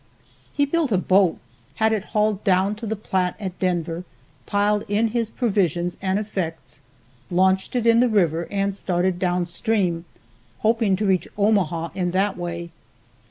He built a boat, had it hauled down to the Platte at Denver, piled in his provisions and effects, launched it in the river and started down stream, hoping to reach Omaha in that way.